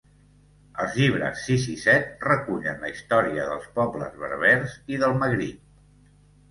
Els llibres sis i set recullen la història dels pobles berbers i del Magrib.